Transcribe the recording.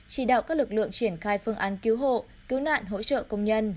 chỉ đạo các lực lượng triển khai phương án cứu hộ cứu nạn hỗ trợ công nhân